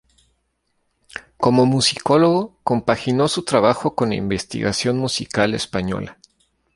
Como musicólogo, compaginó su trabajo con la investigación musical española.